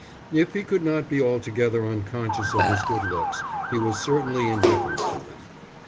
If he could not be altogether unconscious of his good looks, he was certainly indifferent to them.